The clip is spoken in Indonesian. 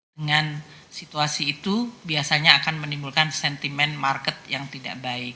dengan situasi itu biasanya akan menimbulkan sentimen market yang tidak baik